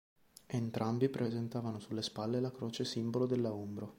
Entrambi presentavano sulle spalle la croce simbolo della Umbro.